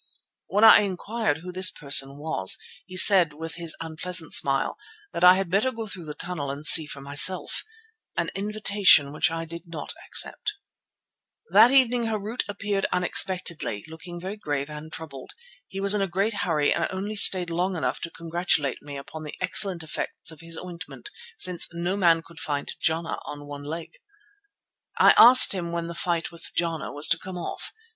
When I inquired who this person was he said with his unpleasant smile that I had better go through the tunnel and see for myself, an invitation which I did not accept. That evening Harût appeared unexpectedly, looking very grave and troubled. He was in a great hurry and only stayed long enough to congratulate me upon the excellent effects of his ointment, since "no man could fight Jana on one leg." I asked him when the fight with Jana was to come off.